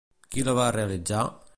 Qui la va realitzar?